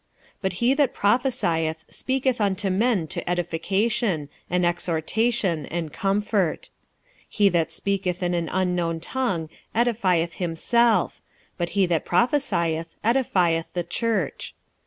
46:014:003 But he that prophesieth speaketh unto men to edification, and exhortation, and comfort. 46:014:004 He that speaketh in an unknown tongue edifieth himself; but he that prophesieth edifieth the church.